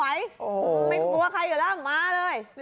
ไม่กลัวใครอยู่แล้วมาเลย